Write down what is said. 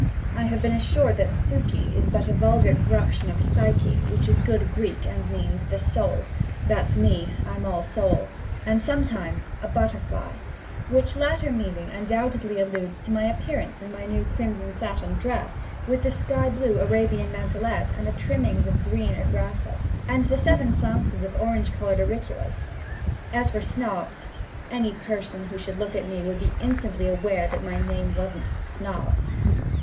I have been assured that Suky is but a vulgar corruption of Psyche, which is good Greek, and means "the soul" (that's me, I'm all soul) and sometimes "a butterfly," which latter meaning undoubtedly alludes to my appearance in my new crimson satin dress, with the sky blue Arabian mantelet, and the trimmings of green agraffas, and the seven flounces of orange colored auriculas. As for Snobbs—any person who should look at me would be instantly aware that my name wasn't Snobbs.